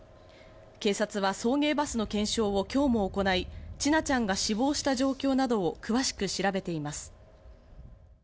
警察は送迎バスの検証を今日も行い、千奈ちゃんが死亡した状況などを詳しく調べています。